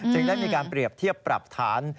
ได้มีการเปรียบเทียบปรับฐาน